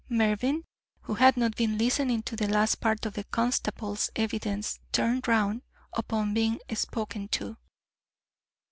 Mervyn, who had not been listening to the last part of the constable's evidence, turned round upon being spoken to.